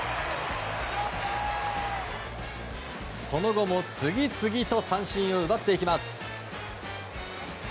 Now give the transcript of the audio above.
その後も次々と三振を奪っていきます。